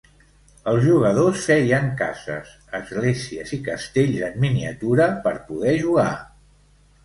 Els jugadors feien cases, esglésies i castells en miniatura per poder jugar.